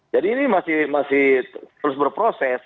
jadi ini masih terus berproses